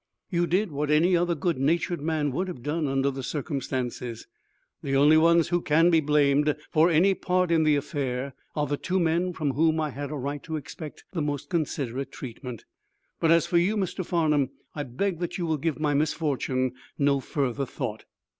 You did what any other good natured man would have done under the circumstances. The only ones who can be blamed for any part in the affair are the two men from whom I had a right to expect the most considerate treatment. But as for you, Mr. Farnum, I beg that you will give my misfortune no further thought."